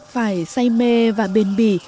phải say mê và bền bỉ